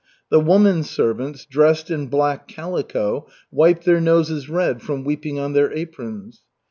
The woman servants, dressed in black calico, wiped their noses red from weeping on their aprons.